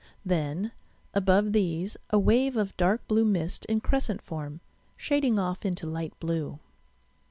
Then, above these, a wave of dark blue mist in crescent form, shading off into light blue.